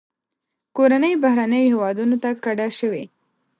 کورنۍ بهرنیو هیوادونو ته کډه شوې.